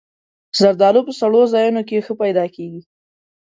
زردالو په سړو ځایونو کې ښه پیدا کېږي.